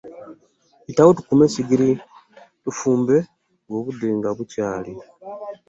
Yitawo okume esigiri tufumbe obude nga bukyaali.